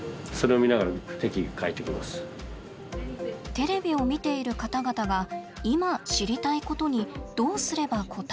テレビを見ている方々が今知りたいことにどうすれば応えられるのか。